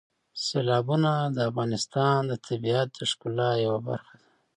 سیلابونه د افغانستان د طبیعت د ښکلا یوه برخه ده.